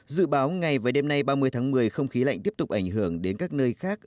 dự báo ngày và đêm nay ba mươi tháng một mươi không khí lạnh tiếp tục ảnh hưởng đến các nơi khác